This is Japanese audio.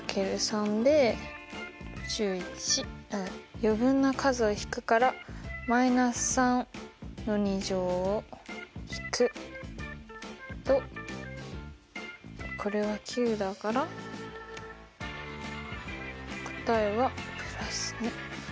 余分な数を引くから−３の２乗を引くとこれは９だから答えは＋２。